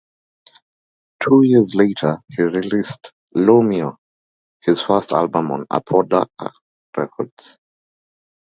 Two years later, he released "Lo Mio", his first album on Apodaca Records.